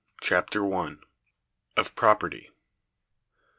Chapter I. Of Property.